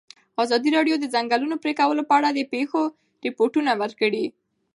ازادي راډیو د د ځنګلونو پرېکول په اړه د پېښو رپوټونه ورکړي.